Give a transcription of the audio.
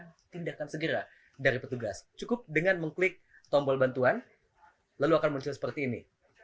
ada tindakan segera dari petugas cukup dengan mengklik tombol bantuan lalu akan muncul seperti ini